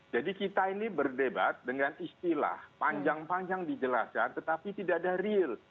jadi kita ini berdebat dengan istilah panjang panjang dijelaskan tetapi tidak ada real